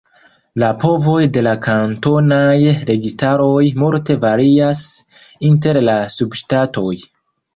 La povoj de la kantonaj registaroj multe varias inter la subŝtatoj.